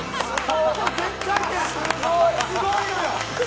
すごいのよ！